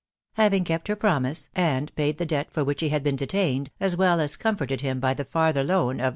Having kept her promise, and paid the debt for which he had been detained, as well as comforted him by the farther loan of 2